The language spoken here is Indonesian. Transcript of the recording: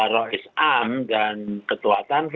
roe sam dan ketuatan